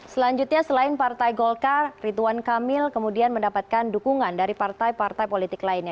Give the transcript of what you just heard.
selanjutnya selain partai golkar ridwan kamil kemudian mendapatkan dukungan dari partai partai politik lainnya